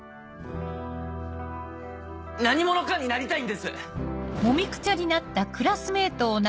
何者かになりたいんです！